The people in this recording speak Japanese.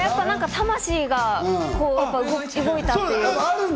魂が動いた。